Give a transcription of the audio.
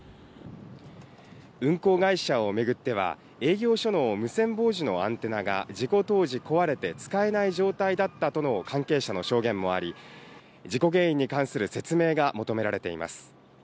運航会社をめぐっては営業所の無線傍受がアンテナが事故当時、壊れて使えない状態だったとの関係者の証言もあり、事故原因に関する説明が求められています。